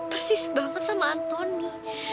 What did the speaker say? persis banget sama antoni